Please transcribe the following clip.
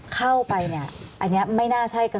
เข้าไปนี่อันนี้ไม่น่าใช่กระทุนนี้เกี่ยวกัน